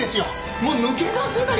もう抜け出せない！